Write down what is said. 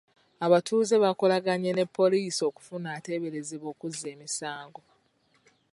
Abatuuze baakolaganye ne poliisi okufuna ateberezebbwa okuzza emisango.